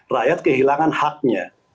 rakyat kehilangan haknya